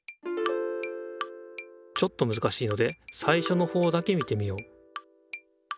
ちょっとむずかしいので最初のほうだけ見てみよう